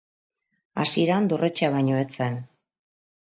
Hasieran dorretxea baino ez zen.